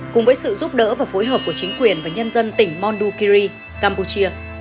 cùng với sự giúp đỡ và phối hợp của chính quyền và nhân dân tỉnh mondukiri campuchia